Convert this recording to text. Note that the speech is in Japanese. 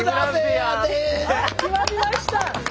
あっ決まりました。